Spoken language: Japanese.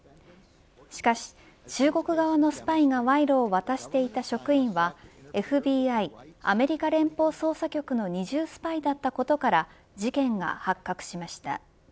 しかし中国側のスパイが賄賂を渡していた職員はＦＢＩ、アメリカ連邦捜査局の二重スパイだったことから事件が発覚しました。